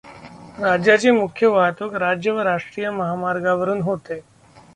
राज्याची मुख्य वाहतूक राज्य व राष्ट्रीय महामार्गावरून होते.